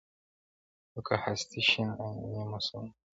او که هسي شین امي نیم مسلمان یې،